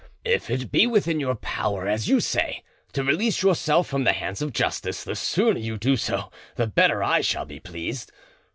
If it be within your power, as you say, to release yourself from the hands of justice, the sooner you do so the better I shall be pleased.